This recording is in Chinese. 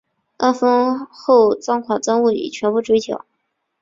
案发后赃款赃物已全部追缴。